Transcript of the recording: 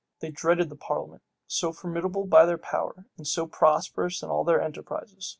They dreaded the parliament, so formidable by their power, and so prosperous in all their enterprises.